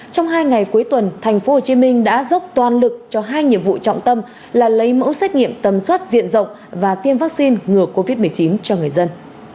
trong hai ngày cuối tuần tp hcm đã dốc toàn lực cho hai nhiệm vụ trọng tâm là lấy mẫu xét nghiệm tầm soát diện rộng và tiêm vaccine ngừa covid một mươi chín cho người dân